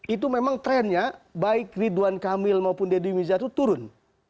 itu memang trennya baik ridwan kamil maupun deddy mizza itu turun